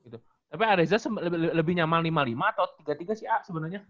tapi arezza lebih nyaman lima lima atau tiga tiga si a sebenernya